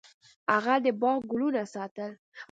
هغه د باغ ګلونه ساتل.